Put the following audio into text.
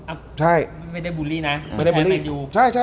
อ๋อไอ้จิ๊กไม่ได้บูลลี่นะ